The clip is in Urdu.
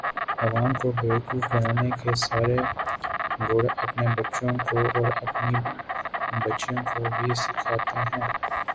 عوام کو بیوقوف بنانے کے سارے گُر اپنے بچوں کو اور اپنی بچیوں کو بھی سیکھاتے ہیں